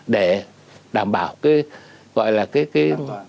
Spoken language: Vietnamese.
để đảm bảo cái gọi là cái